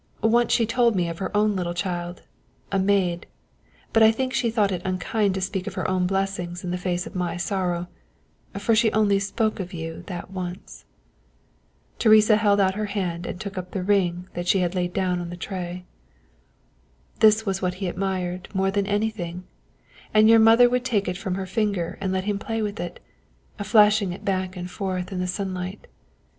Once she told me of her own little child, a maid but I think she thought it unkind to speak of her own blessings in the face of my sorrow, for she only spoke of you that once." Teresa held out her hand and took up the ring that she had laid down on the tray. "This was what he admired more than anything, and your mother would take it from her finger and let him play with it, flashing it back and forth in the sunlight.